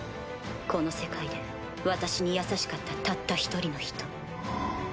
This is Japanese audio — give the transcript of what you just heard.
この世界で私に優しかったたった１人の人。